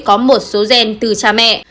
trình tự gen từ cha mẹ